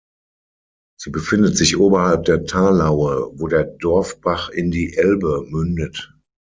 Sie befindet sich oberhalb der Talaue, wo der Dorfbach in die Elbe mündet.